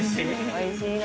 おいしいの？